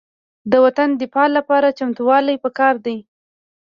د وطن دفاع لپاره چمتووالی پکار دی.